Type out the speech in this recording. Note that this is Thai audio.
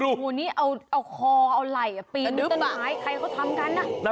โอ้โหนี่เอาคอเอาไหล่ปีนต้นไม้ใครเขาทำกัน